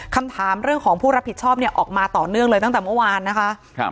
คำถามเรื่องของผู้รับผิดชอบเนี่ยออกมาต่อเนื่องเลยตั้งแต่เมื่อวานนะคะ